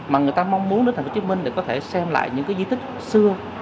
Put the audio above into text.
mà người ta mong muốn đến thành phố hồ chí minh để có thể xem lại những di tích xưa